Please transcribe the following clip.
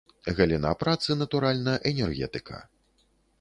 Галіна працы, натуральна, энергетыка.